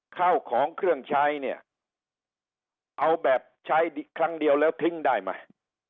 ข้าวของเครื่องใช้เนี่ยเอาแบบใช้ครั้งเดียวแล้วทิ้งได้ไหม